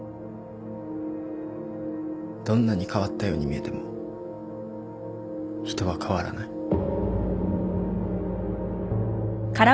どんなに変わったように見えても人は変わらない。